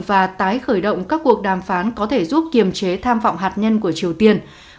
và tái khởi động các cuộc đàm phán có thể giúp kiềm chế tham vọng hạt nhân của triều tiên